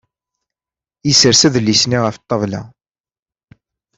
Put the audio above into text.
Isers adlis-nni ɣef ṭṭabla.